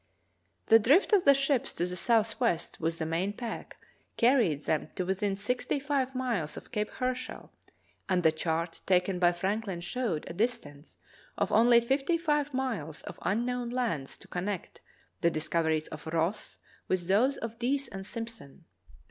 The drift of the ships to the southwest with the main pack carried them to within sixty five miles of Cape Herschel, and the chart taken by FrankHn showed a distance of only fifty five miles of unknown lands to connect the discoveries of Ross with those of Dease and Simpson.